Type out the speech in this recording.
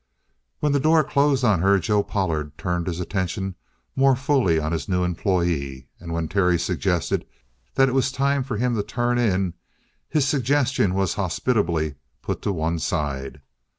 When the door closed on her, Joe Pollard turned his attention more fully on his new employee, and when Terry suggested that it was time for him to turn in, his suggestion was hospitably put to one side.